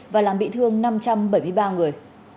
và làm bị thương năm trăm bảy mươi ba người